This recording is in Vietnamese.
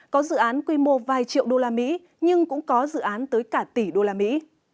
có dự án quy mô vài triệu đô la mỹ nhưng cũng có dự án tới cả tỷ đô la mỹ